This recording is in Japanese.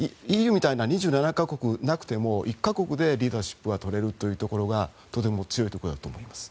ＥＵみたいな２７か国なくても１か国でリーダーシップが取れるところがとても強いところだと思います。